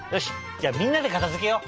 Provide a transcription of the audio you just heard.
じゃあみんなでかたづけよう！